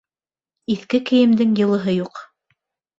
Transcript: Иҫке кейемдең йылыһы юҡ.